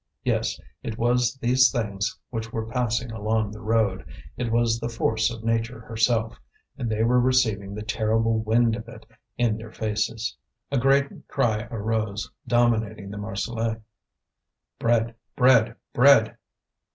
Yes, it was these things which were passing along the road; it was the force of nature herself, and they were receiving the terrible wind of it in their faces. A great cry arose, dominating the Marseillaise: "Bread! bread! bread!"